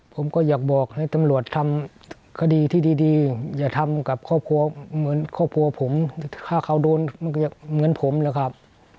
ผมก็อยากบอกให้ตำรวจทำคดีที่ดีอย่าทำกับครอบครัวเหมือนครอบครัวผมถ้าเขาโดนมันก็เหมือนผมแหละครับ